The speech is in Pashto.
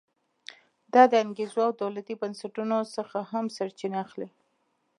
دا د انګېزو او دولتي بنسټونو څخه هم سرچینه اخلي.